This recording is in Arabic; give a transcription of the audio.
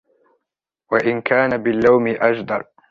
وَإِنْ كَانَ بِاللَّوْمِ أَجْدَرَ